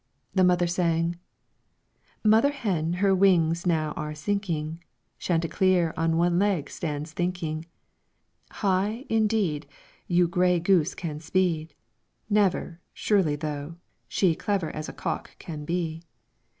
The mother sang, "Mother hen her wings now are sinking, Chanticleer on one leg stands thinking: 'High, indeed, You gray goose can speed; Never, surely though, she Clever as a cock can be.